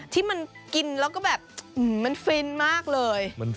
ที่มันกินแล้วก็แบบมันฟินมากเลย